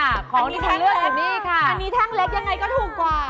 อันนี้แท่งเล็กยังไงก็ดูกว่า